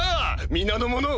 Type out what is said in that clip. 皆の者！